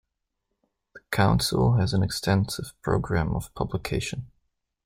The Council has an extensive programme of publication.